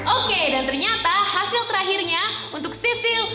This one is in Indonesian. oke dan ternyata hasil terakhirnya untuk sisil dua puluh empat